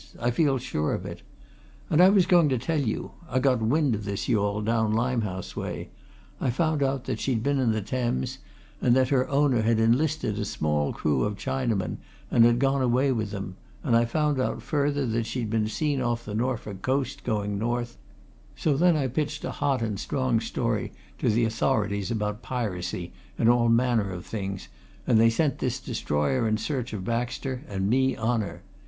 I feel sure of it. And I was going to tell you I got wind of this yawl down Limehouse way I found out that she'd been in the Thames, and that her owner had enlisted a small crew of Chinamen and gone away with them, and I found out further that she'd been seen off the Norfolk coast, going north, so then I pitched a hot and strong story to the authorities about piracy and all manner of things, and they sent this destroyer in search of Baxter, and me on her.